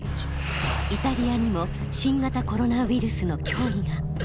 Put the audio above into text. イタリアにも新型コロナウイルスの脅威が。